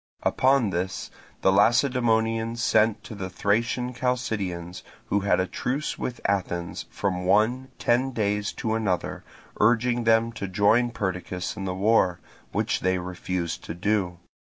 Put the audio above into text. Upon this the Lacedaemonians sent to the Thracian Chalcidians, who had a truce with Athens from one ten days to another, urging them to join Perdiccas in the war, which they refused to do.